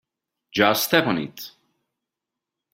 Just step on it.